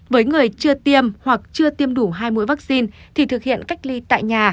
với người chưa tiêm hoặc chưa tiêm đủ hai mũi vaccine thì thực hiện cách ly tại nhà